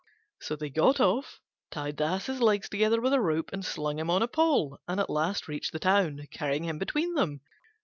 So they got off, tied the Ass's legs together with a rope and slung him on a pole, and at last reached the town, carrying him between them.